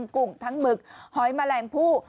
กุ่งทั้งหมึกหอยแมลงผู้